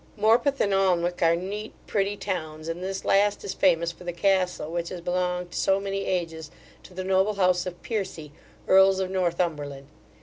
Morpeth and Alnwick are neat, pretty towns, and this last is famous for the castle which has belonged so many ages to the noble house of Piercy, earls of Northumberland.